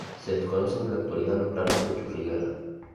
Se desconocen en la actualidad los planes de Churriguera.